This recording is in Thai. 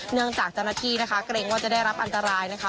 จากเจ้าหน้าที่นะคะเกรงว่าจะได้รับอันตรายนะคะ